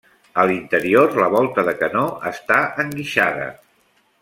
A l'interior la volta de canó està enguixada.